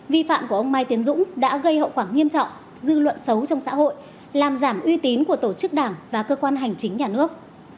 vi phạm của ông mai tiến dũng đã gây hậu quả nghiêm trọng dư luận xấu trong xã hội làm giảm uy tín của tổ chức đảng và cơ quan hành chính nhà nước